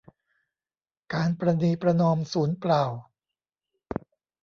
การประนีประนอมสูญเปล่า